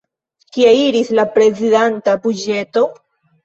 Kie iris la prezidanta buĝeto?